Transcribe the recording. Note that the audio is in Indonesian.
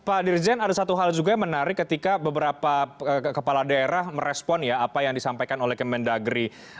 pak dirjen ada satu hal juga yang menarik ketika beberapa kepala daerah merespon ya apa yang disampaikan oleh kemendagri